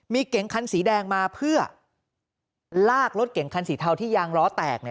มีเก่งคันสีแดงมาเพื่อลากรถเก่งคันสีเทาที่ยางล้อแตกเนี่ย